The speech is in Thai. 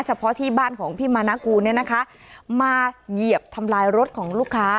เฉพาะที่บ้านของพี่มานากูมาเหยียบทำร้ายรถของลูกค้า